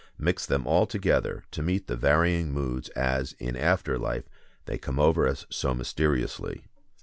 Mix them all together, to meet the varying moods as, in after life, they come over us so mysteriously.